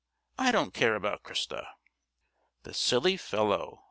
"I don't care about Christa." "The silly fellow!"